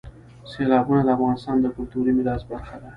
سیلابونه د افغانستان د کلتوري میراث برخه ده.